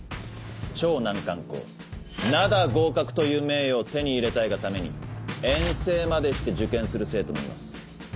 超難関校「灘合格」という名誉を手に入れたいがために遠征までして受験する生徒もいます。